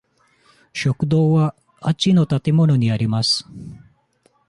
食堂はあっちの建物にあります。